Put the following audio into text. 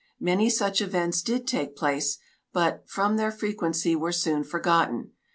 Many such events did take place, but, from their frequency, were soon forgotten.